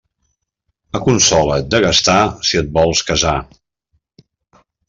Aconsola't de gastar si et vols casar.